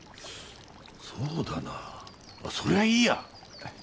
そうだなそりゃいいや。